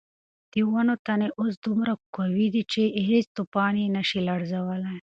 د ونو تنې اوس دومره قوي دي چې هیڅ طوفان یې نه شي لړزولی.